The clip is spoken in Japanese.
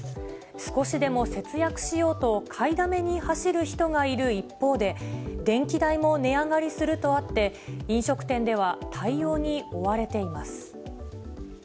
少しでも節約しようと買いだめに走る人がいる一方で、電気代も値上がりするとあって、飲食店では対応に追われています。